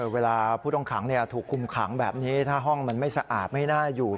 ผู้ต้องขังถูกคุมขังแบบนี้ถ้าห้องมันไม่สะอาดไม่น่าอยู่